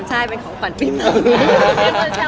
เออใช่เป็นของขวัญปีหนึ่ง